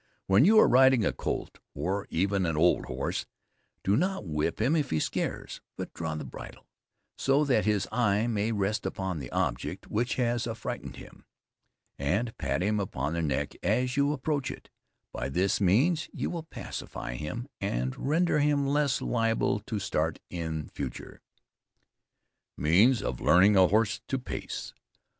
When you are riding a colt (or even an old horse), do not whip him if he scares, but draw the bridle, so that his eye may rest upon the object which has affrighted him, and pat him upon the neck as you approach it; by this means you will pacify him, and render him less liable to start in future. MEANS OF LEARNING A HORSE TO PACE.